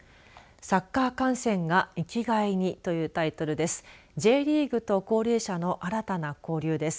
サッカー観戦が生きがいに！！というタイトルです。